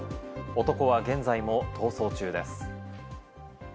男は現在も逃走中です。